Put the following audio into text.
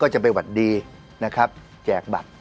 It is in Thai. จะไปหวัดดีนะครับแจกบัตร